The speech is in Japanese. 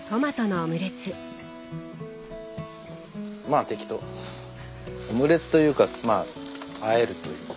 オムレツというかまああえるというか。